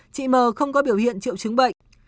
chị m không có biểu hiện triệu chứng bệnh